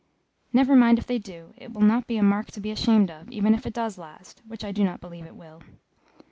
"Never mind, if they do it will not be a mark to be ashamed of, even if it does last, which I do not believe it will."